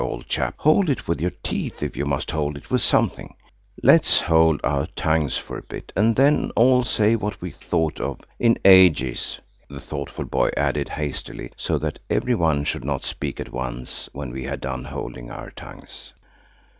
O., old chap; hold it with your teeth if you must hold it with something)–let's hold our tongues for a bit, and then all say what we've thought of–in ages," the thoughtful boy added hastily, so that every one should not speak at once when we had done holding our tongues.